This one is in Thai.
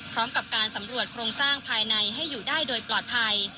พร้อมกับการสำรวจโครงสร้างภายในให้อยู่ได้โดยปลอดภัย